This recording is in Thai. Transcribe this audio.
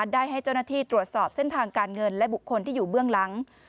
ได้ให้เจ้าหน้าที่ตรวจสอบเส้นทางการเงินและบุคคลที่อยู่เบื้องหลัง